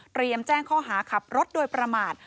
เตรียมแจ้งข้อหาขับรถโดยประมาท